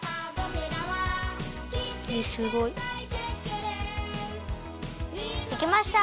えっすごい！できました！